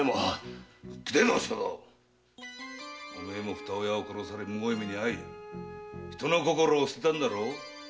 二親を殺されるむごい目に遭いお前は人の心を捨てたんだろ？